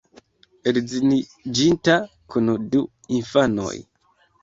Edziniĝinta kun du infanoj.